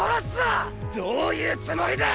どういうつもりだ！